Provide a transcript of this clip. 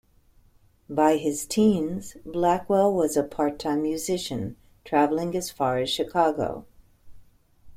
By his teens, Blackwell was a part-time musician, traveling as far as Chicago.